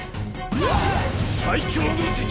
最強の敵！